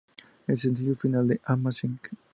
El sencillo final fue "Amazing".